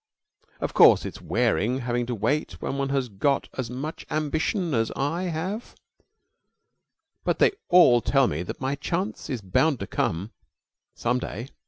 "Of course, it's wearing, having to wait when one has got as much ambition as I have; but they all tell me that my chance is bound to come some day."